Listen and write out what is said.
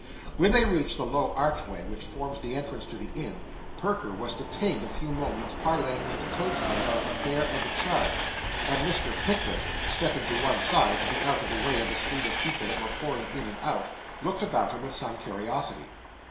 When they reached the low archway which forms the entrance to the inn, Perker was detained a few moments parlaying with the coachman about the fare and the change; and Mr. Pickwick, stepping to one side to be out of the way of the stream of people that were pouring in and out, looked about him with some curiosity.